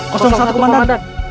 gak bawa buku komandan